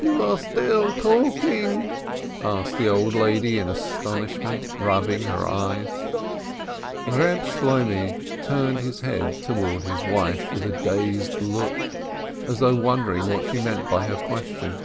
"You are still talking?" asked the old lady, in aston ishment, rubbing her eyes. Reb Shloimeh turned his head toward his wife with a dazed look, as though wondering what she meant by her question.